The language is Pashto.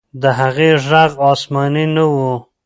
د هغې ږغ آسماني نه و.